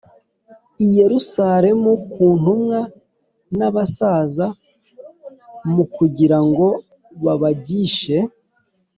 i Yerusalemu ku ntumwa n abasaza m kugira ngo babagishe